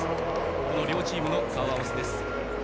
この両チームの顔合わせです。